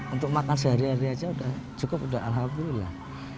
untuk makan sehari hari aja udah cukup udah alhamdulillah